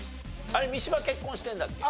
あれ三島結婚してんだっけ？